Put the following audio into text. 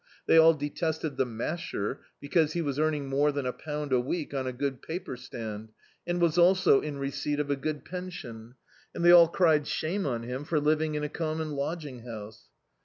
They all destested the "Masher," because he was earning more than a pound a week on a good paper stand, and was also in receipt of a good pension; and they all cried shame on him for living in a comm<m lodg ing house.